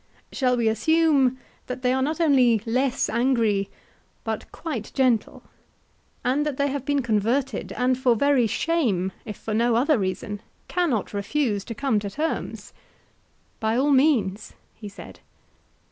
Shall we assume that they are not only less angry but quite gentle, and that they have been converted and for very shame, if for no other reason, cannot refuse to come to terms? By all means, he said.